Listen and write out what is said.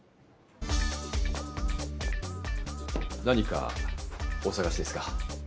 何かお探しですか？